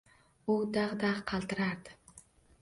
U dag‘-dag‘ qaltirardi…